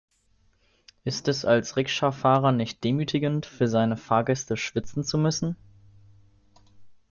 Ist es als Rikscha-Fahrer nicht demütigend, für seine Fahrgäste schwitzen zu müssen?